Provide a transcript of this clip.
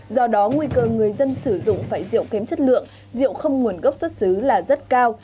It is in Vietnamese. do đó nguy cơ người dân sử dụng phải rượu kém chất lượng rượu không nguồn gốc xuất xứ là rất cao